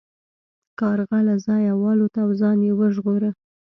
کارغه له ځایه والوت او ځان یې وژغوره.